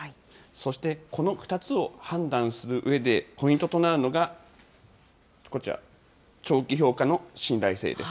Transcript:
そして、この２つを判断するうえで、ポイントとなるのがこちら、長期評価の信頼性です。